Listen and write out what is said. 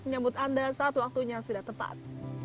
menyambut anda saat waktunya sudah tepat